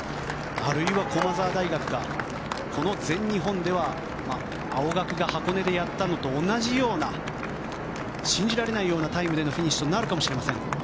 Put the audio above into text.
あるいは駒澤大学かこの全日本では青学が箱根でやったのと同じような信じられないようなタイムでのフィニッシュとなるかもしれません。